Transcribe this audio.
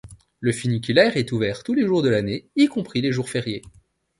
Le funiculaire est ouvert tous les jours de l'année, y compris les jours fériés.